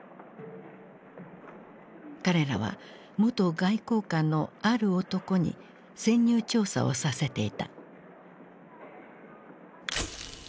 彼らは元外交官のある男に潜入調査をさせていた。